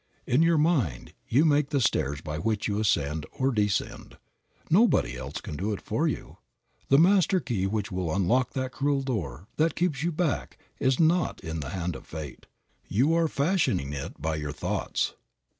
In your mind you make the stairs by which you ascend or descend. Nobody else can do it for you. The master key which will unlock that cruel door that keeps you back is not in the hand of fate. You are fashioning it by your thoughts.